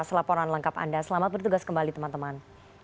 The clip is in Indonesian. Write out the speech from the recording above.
selaporan lengkap anda selamat bertugas kembali teman teman